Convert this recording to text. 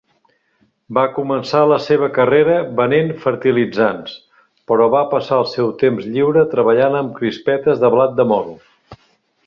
Va començar la seva carrera venent fertilitzants, però va passar el seu temps lliure treballant amb crispetes de blat de moro.